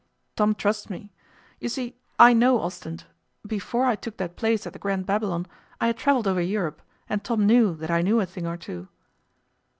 'Oh! Tom trusts me. You see, I know Ostend. Before I took that place at the Grand Babylon I had travelled over Europe, and Tom knew that I knew a thing or two.